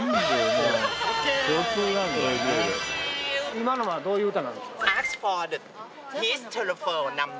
今のはどういう歌なんですか？